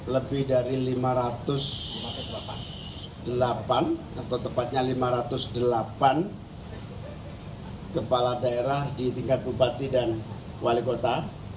lebih dari lima ratus delapan atau tepatnya lima ratus delapan kepala daerah di tingkat bupati dan wali kota